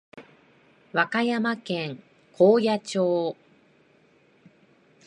和歌山県高野町